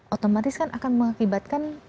otomatis akan mengakibatkan